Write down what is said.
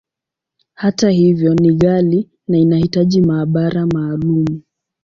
Hata hivyo, ni ghali, na inahitaji maabara maalumu.